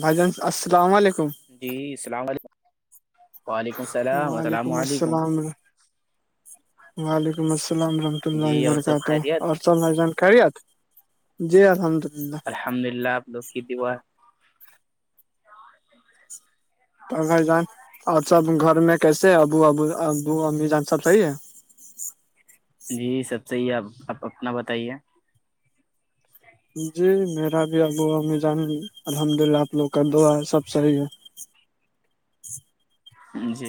بھائی جان السلام علیکم جی السلام علیکم وعلیکم السلام السلام وعلیکم علیکم السلام وعلیکم السلام ورحمۃ اللہ جی اور سب خیریت وبرکاتہ جانکت جی الحمد اللہ الحمد للہ آب ل کی دیوا [inaudible] اور گ جان اور سب گھر میں کیسے ابو ابو ابو امی جان سب صحی ہے جی سب صحیح ہے آب آپ اپنا بتائیے جی میرا بھی آب و ہوا م جان الحمد للہ آپ لوگ کا دعا ہے سب صحیح ہے جی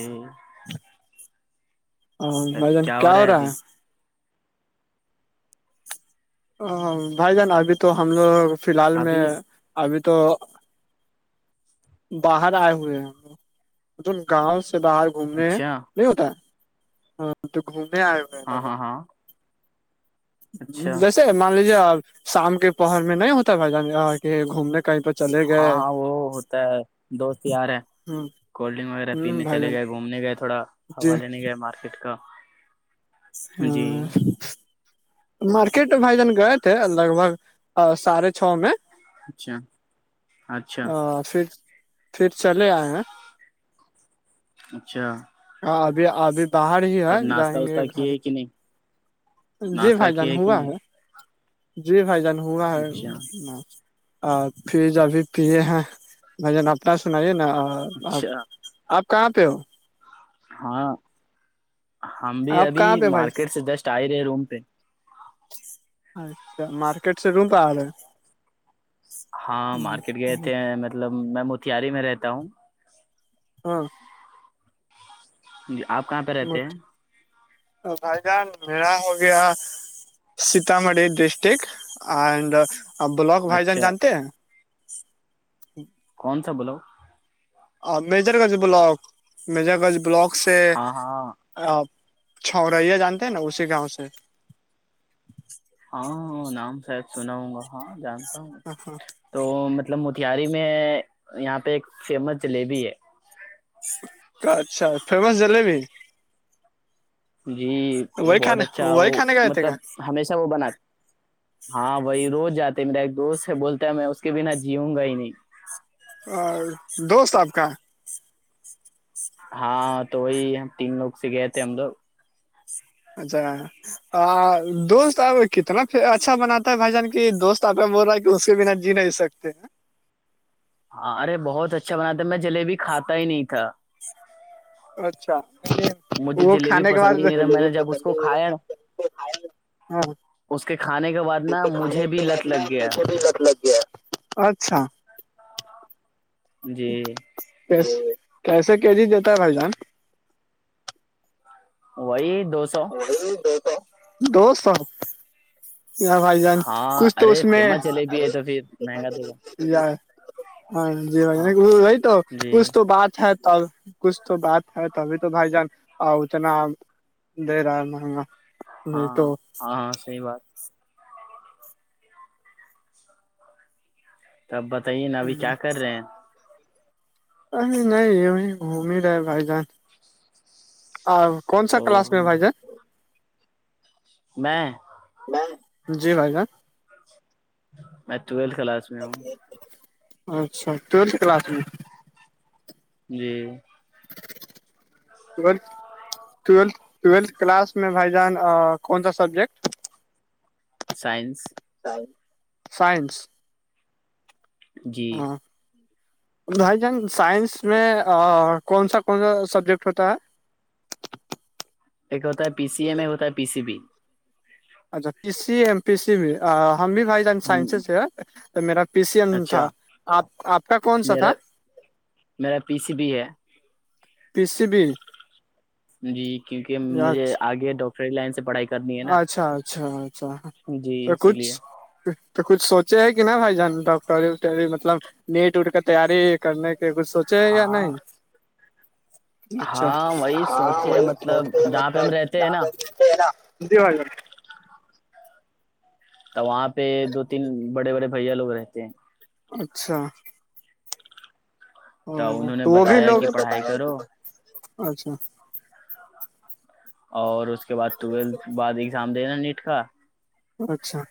ہ مجن کیا ہو رہا [inaudible] ا بھائی جان ابھی تو ہم لوگ فی الحال میں ابھی ابھی تو باہر آئے ہوئے ہیں ہم لوگ مطلب گاؤں سے باہر گھومنے ہیں اچھا نہیں ہوتا ہاں تو گھومنے آئے ہو ہاں ہاں ہاں ہ اچھا بس مان لیجیے اب شام کے پوہر میں نہیں ہوتا ہے بھائی جان گھومنے کا ہاں ہاں وہ ہوتا ہے دوست یار ہے ہ کولڈ ڈرنک وغیرہ ہ پینے بھائی چلے جان گئے گھومنے گئے تھوڑا جی ہوا لینے گئے مارکیٹ کا جی ہاں [inaudible] مارکیٹ بھائی جان گئے تھے لگ بھگ ساھے چھ میں اچھا اچھا آ پھر پھر چلے آئے ہیں اچھا ہاں ابھی ابھی باہر ہی ہے تب ناشتہ جائیں گے واشتہ گھر کیے کہ نہیں جی ناشتہ بھائی جان کیے کہ ہوا نہیں ہے جی بھائی جان ہوا ہے اچھا آ پھر ج ابھی پے ہیں م ج ن اپنا سنائیے نا آپ اچھا [inaudible] آپ کہاں پہ ہو ہاں ہم بھی آپ ابھی کہاں پہ بھائی مارکیٹ سے جسٹ آئے رہے روم پہ اچھا مارکیٹ سے روں پہل ہے ہاں مارکیٹ گئے تھے ہیں مطلب میں موتہاری میں رہتا ہوں ہاں جی آپ کہاں پہ رہتے ہیں بھائی جان ملہا ہو گیا سیتامڑھی ڈسٹک اینڈ بلک وائی جان اچھا جانتے ہیں کون سا بولاو آ مجر گنج بلاک مجر گنج بلاک سے ہاں ہاں آ چھوریا جانتے ہیں نا اسی گاؤں سے ہاں نام شاید سناؤں گا ہاں جانتا ہوں ہ ہاں [inaudible] تو مطلب موتاری میں یہاں پہ ایک فیمس جلیبی ہے اچھا فیمس جلیبی جی وہ وہی بہت کھانے اچھا وہی وہ کھانے گئے تھے مطلب ہمیشہ وہ بنا ہاں وہی روز جاتے میرا ایک دوست سے بولتا ہے میں اس کے بنا جیؤوں گا ہی نہیں اور دوست آپ کا ہاں تو وہی ہم تین لوگ سے گئے تھے ہم لوگ اچھا دوست آپ کتنا اچھا بناتا ہے بھائی جان کی دوست آپ بول رہا ہے کہ اس کے بنا جی نہیں سکتے ہیں ہاں ارے بہت اچھا بنا تھا میں جلیبی کھاتا ہی نہیں تھا اچھا مجھے وہ جلیبی کھانے کے بعد پسند ہی نہیں تھا میں نے جب اس کو کھایا نا، اس کے کھانے کے بعد نا اسے کھانے مجھے بھی کے بعد لت لگ ن گیا میھے بھی رد لگ گیا [inaudible] اچھا جی کیس کیسے کے جی دیتا ہے بھائی جان وہی دو سو سو دو سو ار بھائی جان ہاں کچھ تو ارے اس میں فیمس جلیبی ہے تو پھر مہنگا دے گا ہاں جی ہاں بھ بائی تو جی کچھ تو بات ہے تب کچھ تو بات ہے تبھی تو بھائی جان اتنا دے رہا ہے مہنگا نہیں ہاں ہاں تو ہاں ہاں سی بات تب بتائیے نا ابھی کیا کر رہے ہیں ا نہیں ا گھوم ہی رہے بھائی جان [inaudible] اور کون سا کلاس میں او بھائی جان میں جی بھائی گان میں ٹویلتھ کلاس میں ہوں اچھا تو سے کلاس جی ٹویلھ ٹولتھ ٹویلتھ کلاس میں بھائی جان کون سا سبجیکٹ [unintelligible] سائنس سائنس جی ہاں بھائی جان سائنس میں کون سا کون سا سبجیکٹ ہوتا ہے ایکت ہے پی سی ایم ایک ہوتا ہے پی سی بی اچھا پی سی ایم پی سی بھی ہم بھی بھائی جان ہ سائنسز سے ہیں تو میرا پی سی ایم تھا اچھا آپ آپ کا کون سا تھا میرا میرا پی سی بھی ہے پچھ بھی جی کیوںکہ مجھے اچھا آگے ڈاکٹری لائن سے پڑھائی کرنی ہے نا اچھا اچھا اچھا جی تو اسی کچھ لیے تو کچھ سوچے ہے کہ نہا بھائی جان ڈاکٹری وٹری مطلب نیٹ اٹ کر تیاری کرنے کے کچھ سوچے یا ہاں نہیں اچھا ہاں وہی ہاں سوچے وہی مطلب ہوتے ہیں جہاں پہ ہم مطلب رہتے ہیں نا زیادہ ا ج تو وہاں پہ دو تین بڑے بڑے بھیا لوگ رہتے ہیں اچھا ہ انہوں نے تو وہ بھی بتایا لوگ کہ پڑھائی کرو اچھا اور اس کے بعد ٹویلتھ بعد ایگزام دینا نیٹ کا اچھا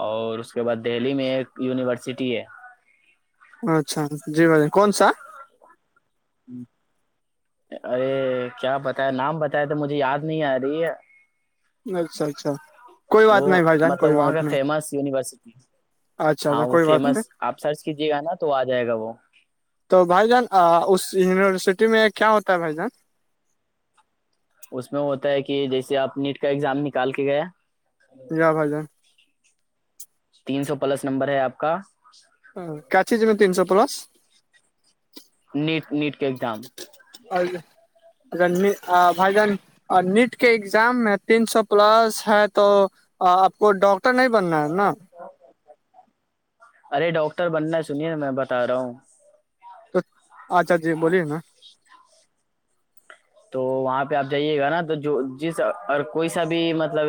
اور اس کے بعد دہلی میں ایک یونیورسٹی ہے اچھا جی بھائی کون سا ہوں ارے کیا بتایا نام بتایا تو مجھے یاد نہیں آ رہی ہے اچھا اچھا کوئی بات وہ نہیں بھائی جان مطلب کوئی وہاں بات کا نہیں فیمس یونیورسٹی اچھا ہاں اچھا وہ کوئی بات فیمس نہیں آپ سرچ کیجیے گا نا تو آ جائے گا وہ تو بھائی جان اس یونیورسٹی میں کیا ہوتا ہے بھائی جان اس میں ہوتا ہے کہ جیسے آپ نیٹ کا ایگزام نکال کے گیا جیا بائی جان تین سو پلس نمبر ہے آپ کا کاچ ج میں تین سو پلس نیٹ نیٹ کے ایکگزام اور رن بھائی جن نیٹ کے ایگزام میں تین سو پلس ہے تو آپ کو ڈاکٹ ارے ڈاکٹر بننا ہے سنیے میں بتا رہا ہوں تو اچھا جی بولیے نا تو وہاں پہ آپ جائیے گا نا تو جو جس اور کوئی سا بھی مطلب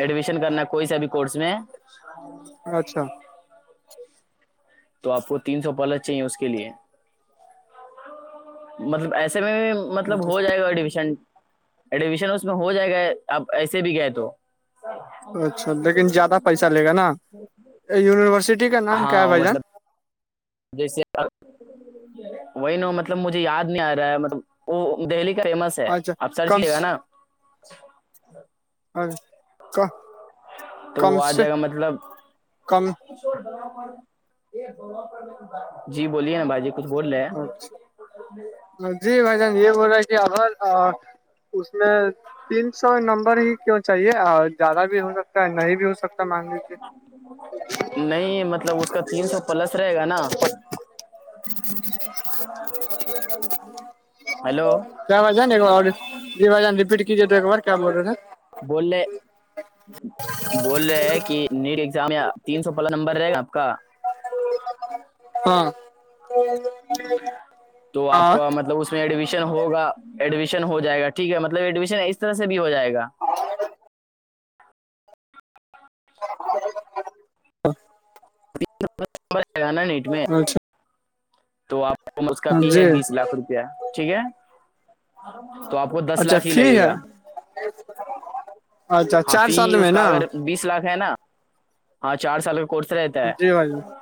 ایڈمیشن کرنا کوئی سا بھی کورس میں اچھا تو آپ کو تین سو پلس چاہ اس کے لیے مطلب ایسے میں مطلب ہو جائے گا ایڈمیشن ایڈمیشن اس میں ہو جائے گا آپ ایسے بھی گئے تو اچھا لیکن زیادہ پیسہ لے گا نا یونیورسٹی کا نام کیا ہے ہاں بھائی جان مطلب جیسے وہی ن مطلب مجھے یاد نہیں آ رہا ہے مطلب وہ دہلی کا فیمس ہے آپ سرچ کیے گا نا ا کا تو وہ آ جائے گا مطلب کم جی بولیے نا بجی اچا جی بھائی جان یہ بول رہے کہ اگر اس میں تین سو نمبر ہی کیوں چاہیے زیادہ بھی ہو سکتا ہے نہیں بھی ہو سکتا مان لیجے نہیں مطلب اس کا تین سو پلس رہے گا نا ہیلو کیا جان رو جان ریپیٹ کیجے تو ایک بار کیا بول رہے نا بولے بول رہے ہیں کہ نیٹ ایگزام تین سو پہلا نمبر رہے گا آپ کا ہاں تو آپ ہاں کا مطلب اس اس ایڈمیشن ہوگا ایڈمیشن ہو جائے گا ٹھیک ہے مطلب ایڈمیشن اس طرح سے بھی ہو جائے گا رگانا نیٹ میں اچھا تو آپ کو م کا فی ہے جی بیس لاکھ روپیہ ٹھیک ہے تو آپ کو دس اچھا لاکھ ہی فری لگے ہے گا اچھا ہاں چار فی سال اس میں کا نا اگر بیس لاکھ ہے نا ہاں چار سال کا کورس رہتا ہے جی بھائی جان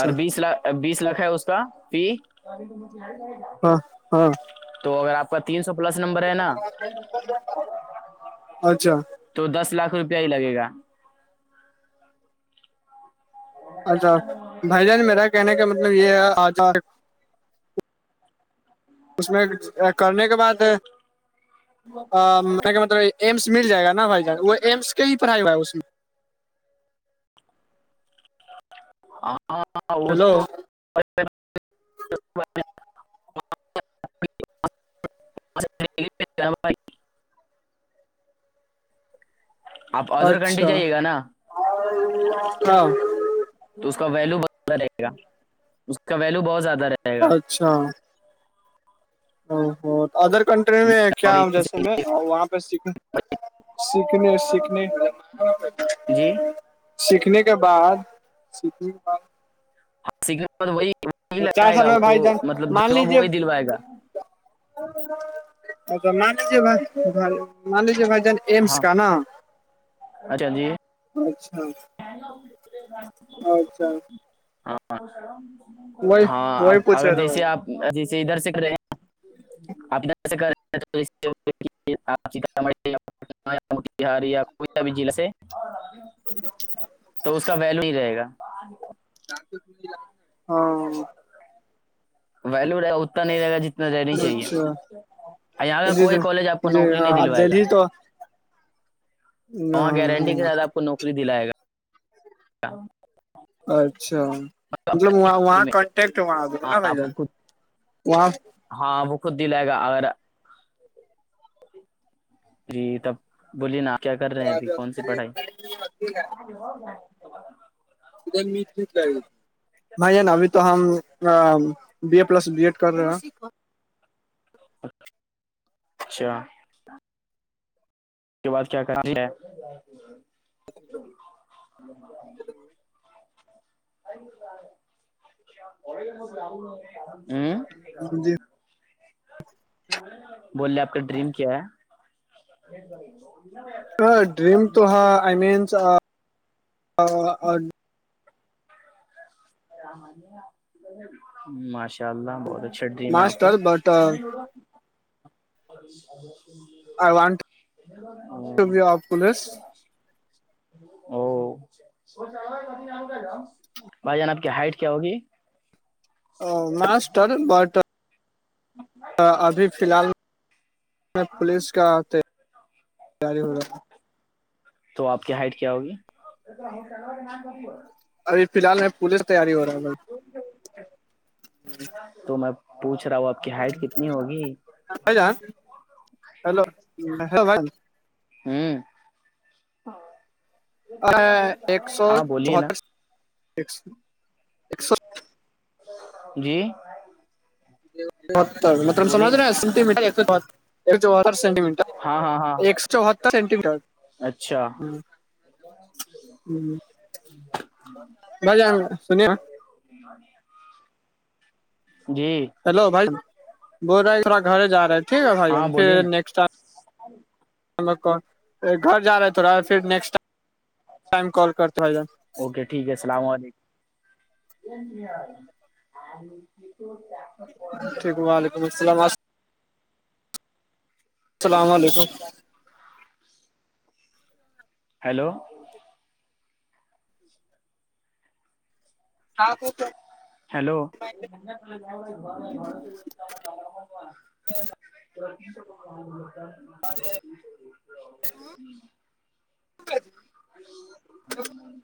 اور بیس لاکھ ا بیس لھ ہے اس کا پی ہاں ہاں تو اگر آپ کا تین سو پلس نمبر ہے نا اچھا تو دس لاکھ روپیہ ہی لگے گا اچھا بھائی جان میرا کہنا کہ مطلب یہ ہے آجار اس میں کرنے کے بعد میں کہ مطلب ایمس مل جائے گا نا بھائی جان وہ ایمس کہیں پر آئے ہوا ہے اس میں ہاں ہاں وہ ہیلو تو [unintelligible] آپ ادر کنٹری اچھا جائیے گا نا ہاں تو اس کا ویلو بہت زیادہ رہے گا اس کا ویلو بہت زیادہ رہے گا اچھا ا ادر کنٹری میں کیا اور جیسے میں وہاں پہ سیکھ سیکھنے سیکھنے جی سیکھنے کے بعد سیکھنے کے بعد ہاں سنے وہی وہی چار لگائے سال گا میں وہ بھائی جان مطلب جاب وہی دلوائے گا اچ تو مج بائی ملج بائی جان ایمس ہاں کا نا اچھا جی اچھا [inaudible] اچھا وہی ہاں وہی اب پوچھ اگر رہے تھے جیسے بھائی آپ جیسے ادھر سیکھ رہے ہیں آپ اناسے کر رہے مٹار یا کوئی س بھی جلع سے ج تو اس کا ویلو ہی رہے گا ہاں ولو رہے گا اتنا نہیں رہے گا جتنا رہنا چاہیے اچھا یہاں کا جی کوئی کالج آپ کو جی نوکری نہیں ہاں دلوائے گا دہلی تو وہاں ہاں گارنٹی کے ساتھ آپ کو نوکری دلائے گا ہاں اچھا مطلب اپنے وہاں میں کانٹیکٹ وہاں د ہاں نا بھائی ج آپ کو خود وہاں ہاں وہ خود دلائے گا اگر جی تب بولیے نا کیا کر رہے ہیں ابھی کون سی پڑھائی میٹ مٹ لگی بھائی ہے نا ابھی تو ہم B A plus B Ed کر رہے ہ اچھا اس کے بعد کیا کرنی ہے ج ے گ م ر ہوں جی بولے آپ کا ڈریم کیا ہے ڈریم تو ہا آئی مینس مش ان شاء اللہ بہت اچھیا ت میں آپ کا master but I want to be of police ا او بھائی جان آپ کی ہائٹ کیا ہوگی ا ماسٹر ب ابھی فی الحال میں پولیس کا جاری ہو رہا ہے تو آپ کی ہائٹ کیا ہوگی ابھیی الحال میں پورے تیاری ہو رہا ہے بھائی تو میں پوچھ رہا ہوں آپ کی ہائٹ کتنی ہوگی ب جا ہیلو ہیلو بھائی ہوں ا ایک سو ہاں بولیے نا چوتیسو ایک سو جی مت متم بولیے سمج نا س م ایک چوتر سینٹی مٹر ہاں ہاں ہاں ایک چوہتر سینٹی مٹر اچھا ہ ہ مز آؤں گا سنیا جی ہیلوھائی بول رہے ہے تھوڑا گر جا رہے ہے ٹھیک ہے بھائی ہم ہاں بولیے پھر نا نیکسٹ ٹائ گھر جا رہا ہے تھوڑا پھر نیکسٹ ٹ ٹائم کال کرتا ہ ہے جا اوکے ٹھیک ہے اللام علیکم تا ٹھیک وعلیکم السلام [inaudible] ہیلو ہاں بت ہیلو س ہوتا اور [inaudible]